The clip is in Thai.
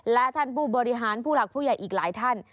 และท่านผู้บริหารผู้หลักผู้ใหญ่อีกหลายท่าน